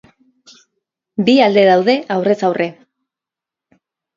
Bi alde daude aurrez aurre.